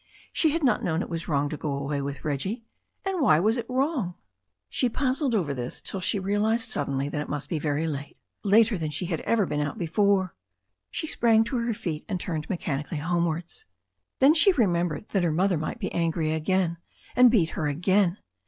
She had not known it was wrong to go away with Reggie. And why was it wrong? THE STORY OF A NEW ZEALAND RIVER 117 She puzzled over this till she realized suddenly that it must be very late, later than she had ever been out be fore. She sprang to her feet, and turned mechanically homewards. Then she remembered that her mother might be angry again and beat her again.